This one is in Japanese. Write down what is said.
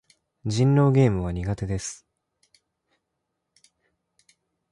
人狼ゲームは苦手です。